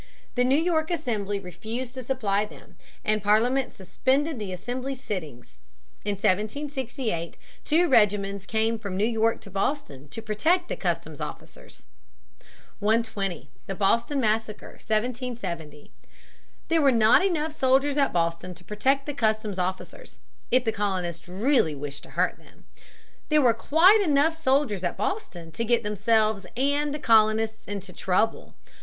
The New York Assembly refused to supply them, and Parliament suspended the Assembly's sittings. In 1768 two regiments came from New York to Boston to protect the customs officers. [Sidenote: The Boston Massacre, 1770. Higginson, 166 169; McMaster, 118.] 120. The Boston Massacre, 1770. There were not enough soldiers at Boston to protect the customs officers if the colonists really wished to hurt them. There were quite enough soldiers at Boston to get themselves and the colonists into trouble.